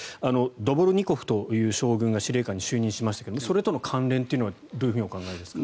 ドボルニコフという将軍が司令官に就任しましたがそれとの関連というのはどういうふうにお考えですか？